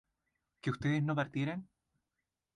¿que ustedes no partieran?